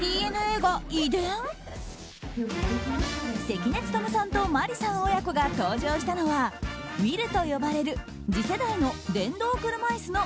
関根勤さんと麻里さん親子が登場したのはＷＨＩＬＬと呼ばれる次世代の電動車椅子の